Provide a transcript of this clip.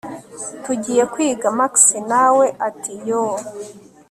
tugiye kwiga max nawe ati yooh